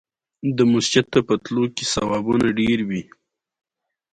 د خوړو زنځیر څه مانا لري